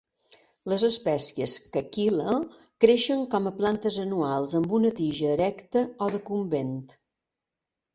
Les espècies "Cakile" creixen com a plantes anuals amb una tija erecta o decumbent.